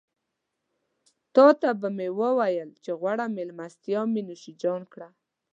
تاته به مې وويل چې غوړه مېلمستيا مې نوشيجان کړه.